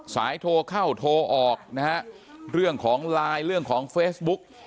โทรเข้าโทรออกนะฮะเรื่องของไลน์เรื่องของเฟซบุ๊ก